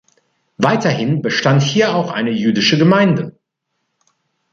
Weiterhin bestand hier auch eine jüdische Gemeinde.